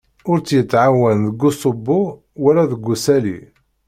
Ur tt-yettɛawan deg uṣubbu wala deg usali.